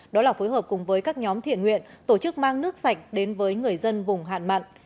đó là phối hợp cùng với các nhóm thiện nguyện tổ chức mang nước sạch đến với người dân vùng hạn mặn